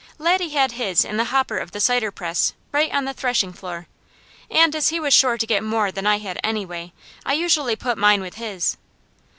Laddie had his in the hopper of the cider press right on the threshing floor, and as he was sure to get more than I had anyway, I usually put mine with his.